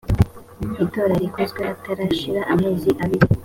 itora rikozwe hatarashira amezi abiri